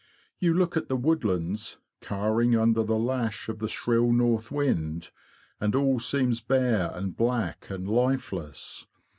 You look at the woodlands, cowering under. the lash of the shrill north wind, and all seems bare and black and lifeless.